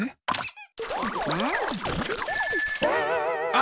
あ！